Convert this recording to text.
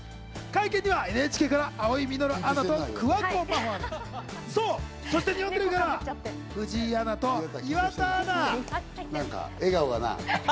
会見にはＮＨＫから青井実アナと、桑子真帆アナ、そして日本テレビからはなんか笑顔がなぁ。